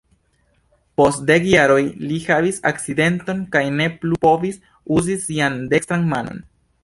Post dek jaroj li havis akcidenton kaj ne plu povis uzi sian dekstran manon.